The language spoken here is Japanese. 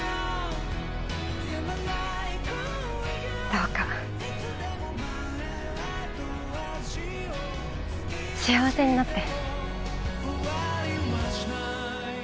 どうか幸せになって。